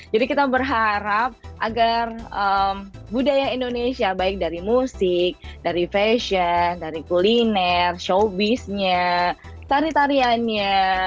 jadi kita berharap agar budaya indonesia baik dari musik dari fashion dari kuliner showbiznya tariannya